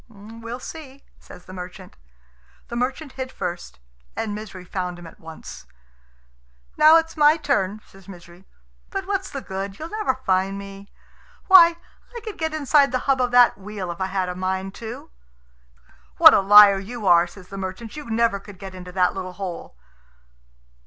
"We'll see," says the merchant. The merchant hid first, and Misery found him at once. "Now it's my turn," says Misery; "but what's the good? You'll never find me. Why, I could get inside the hub of that wheel if I had a mind to." "What a liar you are!" says the merchant; "you never could get into that little hole."